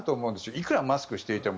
いくらマスクをしていても。